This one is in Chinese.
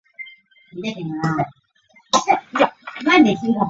合瓦博拉航空和温比殿华航空都作比为枢纽机场。